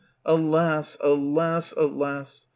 alas! alas! alas!